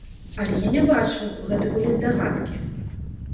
Але я не бачыў, гэта былі здагадкі.